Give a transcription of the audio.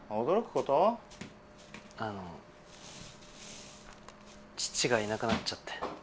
あの父がいなくなっちゃって。